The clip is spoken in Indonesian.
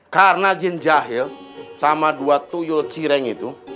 karena jin jahil sama dua tuyul cireng itu